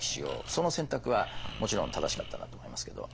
その選択はもちろん正しかったなと思いますけど。